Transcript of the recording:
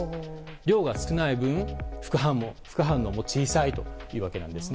量が少ない分、副反応も小さいというわけなんです。